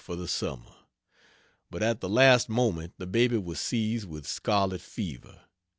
for the summer: but at the last moment the baby was seized with scarlet fever.